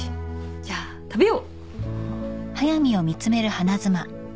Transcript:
じゃあ食べよう。